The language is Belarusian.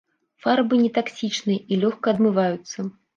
Фарбы не таксічныя і лёгка адмываюцца.